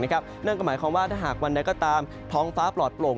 นั่นก็หมายความว่าถ้าหากวันใดก็ตามท้องฟ้าปลอดโปร่ง